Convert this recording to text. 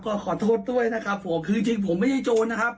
ก็ขอโทษด้วยนะครับผมคือจริงผมไม่ใช่โจรนะครับ